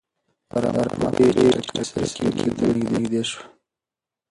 رمه په ډېرې چټکۍ سره کيږديو ته نږدې شوه.